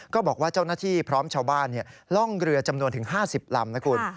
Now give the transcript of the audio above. บอกว่าเจ้าหน้าที่พร้อมชาวบ้านล่องเรือจำนวนถึง๕๐ลำนะคุณ